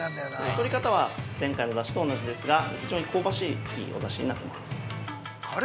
取り方は前回の出汁と同じですが非常に香ばしいお出汁になっています。